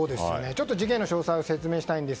事件の詳細を説明します。